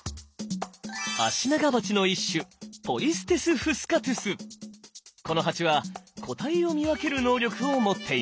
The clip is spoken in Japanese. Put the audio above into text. アシナガバチの一種このハチは個体を見分ける能力を持っています。